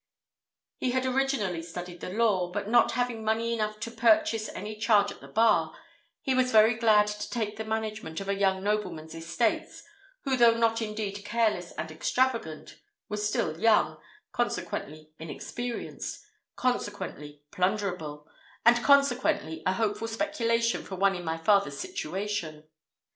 He had originally studied the law; but not having money enough to purchase any charge at the bar, he was very glad to take the management of a young nobleman's estates, who, though not indeed careless and extravagant, was still young consequently inexperienced consequently plunderable, and consequently a hopeful speculation for one in my father's situation.